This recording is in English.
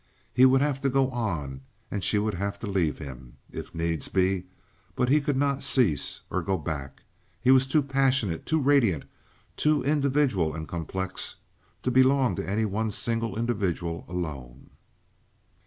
He would have to go on, and she would have to leave him, if needs be; but he could not cease or go back. He was too passionate, too radiant, too individual and complex to belong to any one single individual alone.